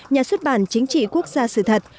nhà xuất bản chính trị quốc gia sự thật